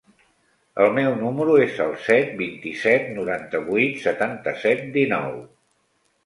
El meu número es el set, vint-i-set, noranta-vuit, setanta-set, dinou.